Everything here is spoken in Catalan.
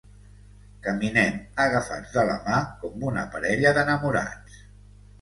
Caminem agafats de la mà com una parella d'enamorats.